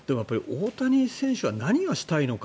大谷選手は何がしたいのか。